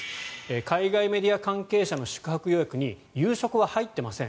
海外メディア関係者の宿泊予約に夕食は入っていません。